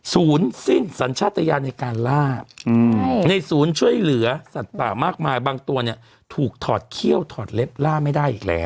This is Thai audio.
ศูนย์สิ้นสัญชาติยานในการล่าในศูนย์ช่วยเหลือสัตว์ป่ามากมายบางตัวเนี่ยถูกถอดเขี้ยวถอดเล็บล่าไม่ได้อีกแล้ว